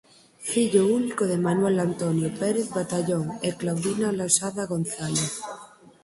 Fillo único de Manuel Antonio Pérez Batallón e Claudina Losada González.